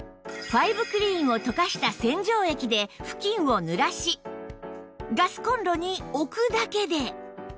ファイブクリーンを溶かした洗浄液で布巾を濡らしガスコンロに置くだけで